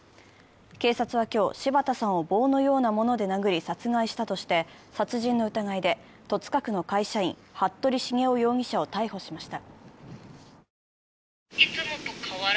警察は今日、柴田さんを棒のようなもので殴り殺害したとして殺人の疑いで戸塚区の会社員、服部繁雄容疑者を逮捕しました。